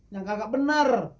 yang kakak bener